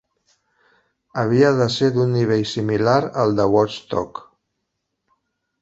Havia de ser d'un nivell similar al de Woodstock.